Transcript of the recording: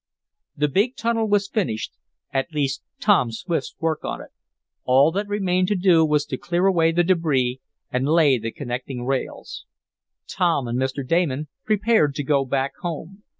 The big tunnel was finished at least Tom Swift's work on it. All that remained to do was to clear away the debris and lay the connecting rails. Tom and Mr. Damon prepared to go back home.